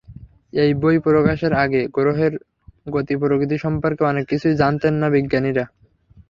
এই বই প্রকাশের আগে গ্রহের গতি-প্রকৃতি সম্পর্কে অনেক কিছুই জানতেন না বিজ্ঞানীরা।